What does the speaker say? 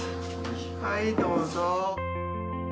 はいどうぞ。